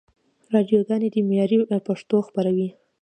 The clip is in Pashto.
راډیوګاني دي معیاري پښتو خپروي.